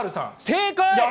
正解。